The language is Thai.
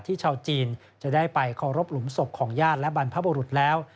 ชาวจีนจะได้ไปเคารพหลุมศพของญาติและบรรพบุรุษแล้ว